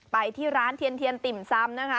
ไปที่ร้านเทียนติ่มซ้ำนะคะ